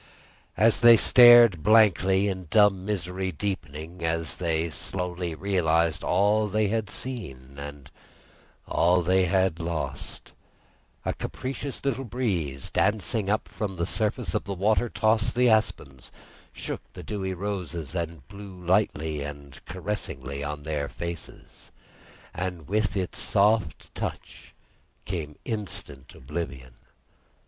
As they stared blankly in dumb misery deepening as they slowly realised all they had seen and all they had lost, a capricious little breeze, dancing up from the surface of the water, tossed the aspens, shook the dewy roses and blew lightly and caressingly in their faces; and with its soft touch came instant oblivion.